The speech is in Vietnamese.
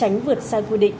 tránh vượt sang quy định